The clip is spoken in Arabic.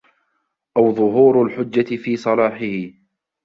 أَوْ ظُهُورُ الْحُجَّةِ فِي صَلَاحِهِ